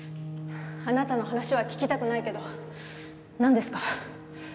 あなたの話は聞きたくないけどなんですか？